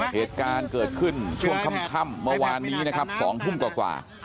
เหตุการณ์เกิดขึ้นช่วงค่ำเมื่อวานนี้นะครับ๒ทุ่มกว่า